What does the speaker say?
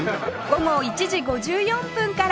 午後１時５４分から